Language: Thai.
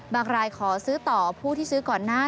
รายขอซื้อต่อผู้ที่ซื้อก่อนหน้า